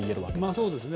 そうですね。